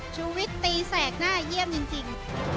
ชูวิตตีแสกหน้าเยี่ยมจริง